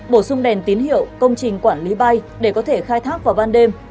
bổ sung đèn tín hiệu công trình quản lý bay để có thể khai thác vào ban đêm